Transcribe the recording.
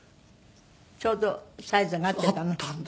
ちょうどサイズが合ってたの？